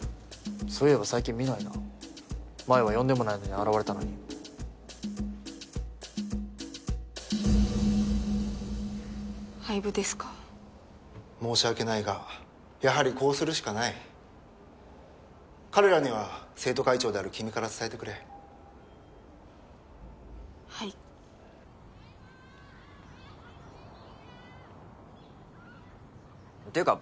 そういえば最近見ないな前は呼んでもないのに現れたのに廃部ですか申し訳ないがやはりこうするしかない彼らには生徒会長である君から伝えてくれはいっていうか